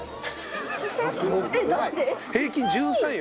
平均１３よ。